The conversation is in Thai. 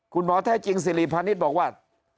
คุณหมอแท้จริงสิริพาณิชย์บอกว่า